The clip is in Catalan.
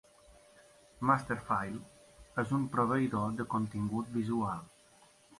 Masterfile és un proveïdor de contingut visual.